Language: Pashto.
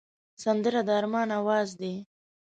سندره د ارمان آواز دی